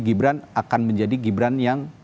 gibran akan menjadi gibran yang